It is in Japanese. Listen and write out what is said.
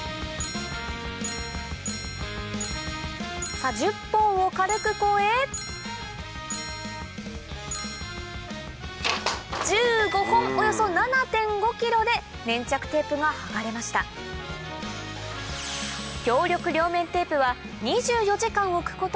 さぁ１０本を軽く超え１５本およそ７．５ｋｇで粘着テープが剥がれましたということでですね